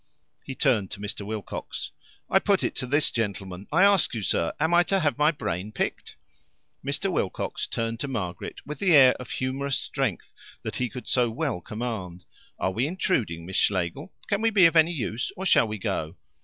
He turned to Mr. Wilcox. "I put it to this gentleman. I ask you, sir, am I to have my brain picked?" Mr. Wilcox turned to Margaret with the air of humorous strength that he could so well command. "Are we intruding, Miss Schlegel? Can we be of any use or shall we go?"